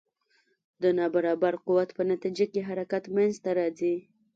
د نا برابر قوت په نتیجه کې حرکت منځته راځي.